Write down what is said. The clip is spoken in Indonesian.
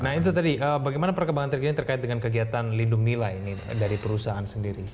nah itu tadi bagaimana perkembangan terkini terkait dengan kegiatan lindung nilai ini dari perusahaan sendiri